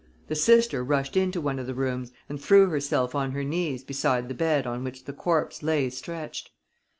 The sister rushed into one of the rooms and threw herself on her knees beside the bed on which the corpse lay stretched.